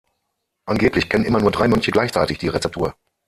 Angeblich kennen immer nur drei Mönche gleichzeitig die Rezeptur.